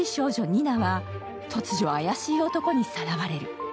ニナは突如、怪しい男にさらわれる。